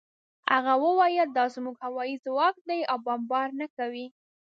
هغه وویل دا زموږ هوايي ځواک دی او بمبار نه کوي